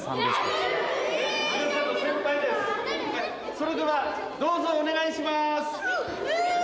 それではどうぞお願いします。